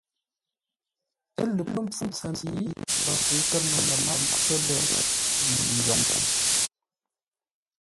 Ə́ lə pə́ mpfu ntsəmbi, Mbəfəuŋ kə̂r məndə̂ máp pə́ lə̂ ndyoŋ.